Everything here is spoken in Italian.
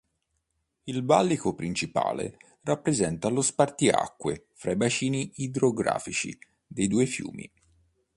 Il valico principale rappresenta lo spartiacque fra i bacini idrografici dei due fiumi.